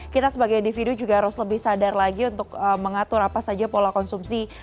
kita sebagai individu juga harus lebih sadar lagi untuk mengatur apa saja pola konsumsi